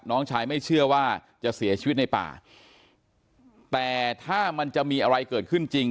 น้องชายไม่เชื่อว่าจะเสียชีวิตในป่าแต่ถ้ามันจะมีอะไรเกิดขึ้นจริง